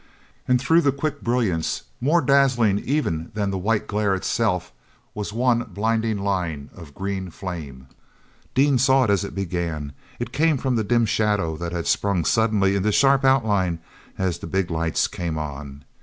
And through the quick brilliance, more dazzling even than the white glare itself, was one blinding line of green flame. Dean saw it as it began. It came from the dim shadow that had sprung suddenly into sharp outline as the big lights came on.